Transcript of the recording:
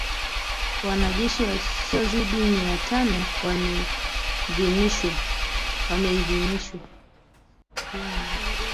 Wanajeshi wasiozidi mia tano wameidhinishwa